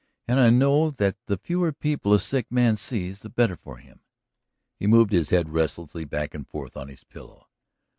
"And I know that the fewer people a sick man sees the better for him." He moved his head restlessly back and forth on his pillow.